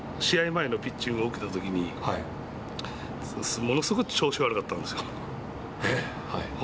前のピッチングを受けたときにものすごい調子が悪かったんですよ。